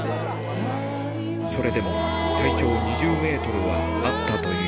それでも体長２０メートルはあったという。